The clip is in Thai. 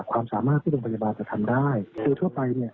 ความสามารถที่โรงพยาบาลจะทำได้คือทั่วไปเนี่ย